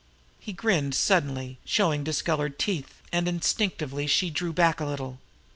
He grinned suddenly, showing discolored teeth and instinctively she drew back a little.